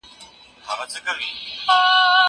که وخت وي، کتاب وليکم!؟!؟